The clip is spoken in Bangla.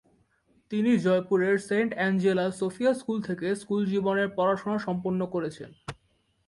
তিনি জয়পুরের সেন্ট অ্যাঞ্জেলা সোফিয়া স্কুল থেকে স্কুল জীবনের পড়াশোনা সম্পন্ন করেছেন।